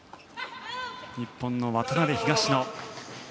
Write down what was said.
日本の渡辺、東野。